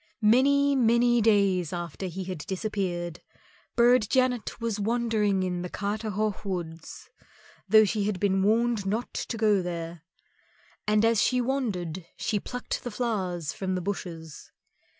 Many, many days after he had disappeared, Burd Janet was wandering in Carterhaugh Wood, though she had been warned not to go there. And as she wandered she plucked the flowers from the bushes.